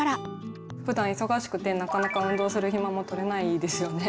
ふだん忙しくてなかなか運動する暇もとれないですよね。